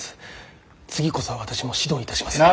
次こそは私も指導いたしますから。